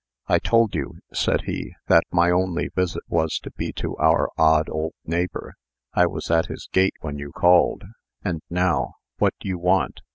"I told you," said he, "that my only visit was to be to our odd old neighbor. I was at his gate, when you called. And now, what do you want?"